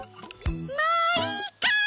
もういいかい？